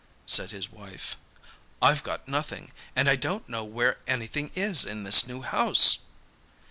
Said his wife, 'I've got nothing, and I don't know where anything is in this new house.